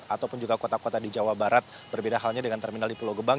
ataupun juga kota kota di jawa barat berbeda halnya dengan terminal di pulau gebang